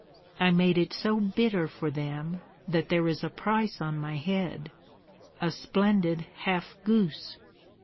I made it so bitter for them that there is a price on my head A splendid half goose!"